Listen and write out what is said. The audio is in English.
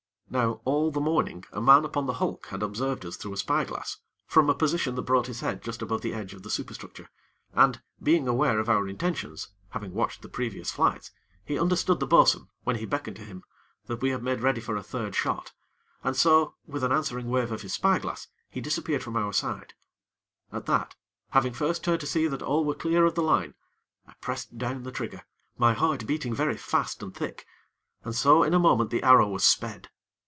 Now, all the morning, a man upon the hulk had observed us through a spy glass, from a position that brought his head just above the edge of the superstructure, and, being aware of our intentions having watched the previous flights he understood the bo'sun, when he beckoned to him, that we had made ready for a third shot, and so, with an answering wave of his spy glass, he disappeared from our sight. At that, having first turned to see that all were clear of the line, I pressed down the trigger, my heart beating very fast and thick, and so in a moment the arrow was sped.